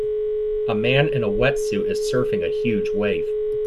A man in a wetsuit is surfing a huge wave.